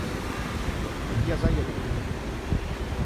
Так я заеду к нему.